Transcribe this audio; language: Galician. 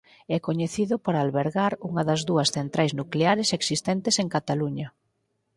É coñecido por albergar unha das dúas centrais nucleares existentes en Cataluña.